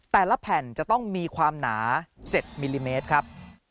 แต่ละแผ่นจะต้องมีความหนา๗มิลลิเมตรครับ